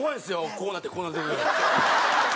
こうなってこうなって。